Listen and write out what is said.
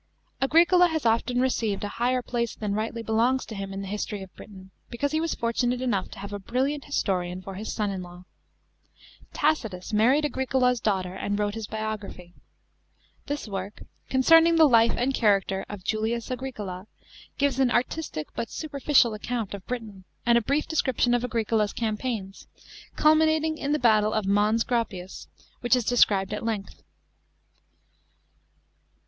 § 7. Agricola has often received a higher place than rightly belongs to him in the history of Britain, because he was fortunate enough to have a brilliant historian for his son in law. Tacitus married Agricola's daughter and wrote his biography. This work, Concerning the Life and Character of Julius Agricola, gives an artistic but superficial account of Britain and a brief description of Asricola's campaigns, culminating in the battle of Mons Graupius, which is described at length.